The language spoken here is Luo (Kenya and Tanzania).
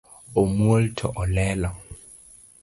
Omuol to olelo